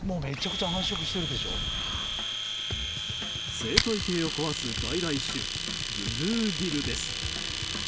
生態系を壊す外来種ブルーギルです。